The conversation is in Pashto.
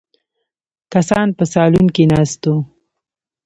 کسان په سالون کې ناست وو.